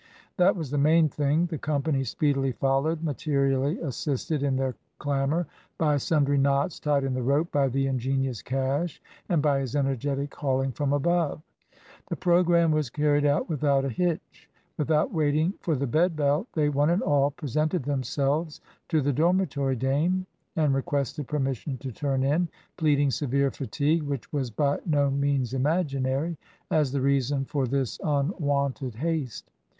That was the main thing. The company speedily followed, materially assisted in their clamber by sundry knots tied in the rope by the ingenious Cash, and by his energetic hauling from above. The programme was carried out without a hitch. Without waiting for the bed bell they one and all presented themselves to the dormitory dame, and requested permission to turn in, pleading severe fatigue (which was by no means imaginary) as the reason for this unwonted haste.